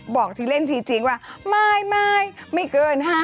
บอกที่เล่นจริงว่าไม่ไม่เกิน๕ล้าน